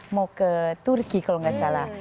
mau ke turki kalau nggak salah